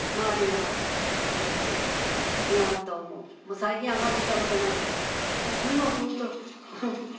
最近上がっていったことないけど。